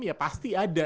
ya pasti ada